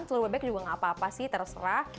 telur bebek juga nggak apa apa sih terserah